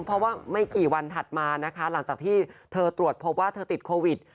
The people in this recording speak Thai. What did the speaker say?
เพราะว่าไม่กี่วันถัดมานะคะหลังจากที่เธอตรวจพบว่าเธอติดโควิด